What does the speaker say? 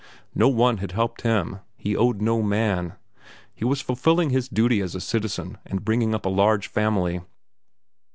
No one had helped him. He owed no man. He was fulfilling his duty as a citizen and bringing up a large family.